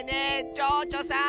チョウチョさん！